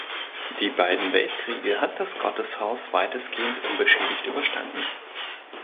Die beiden Weltkriege hat das Gotteshaus weitestgehend unbeschädigt überstanden.